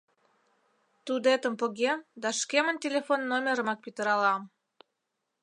Тудетым погем да шкемын телефон номерымак пӱтыралам.